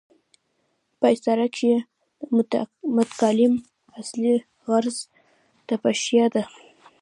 په استعاره کښي د متکلم اصلي غرض تشبېه يي.